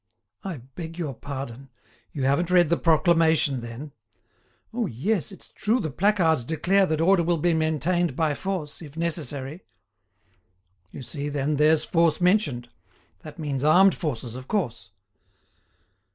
"I beg your pardon. You haven't read the proclamation, then?" "Oh yes, it's true the placards declare that order will be maintained by force, if necessary." "You see, then, there's force mentioned; that means armed forces, of course."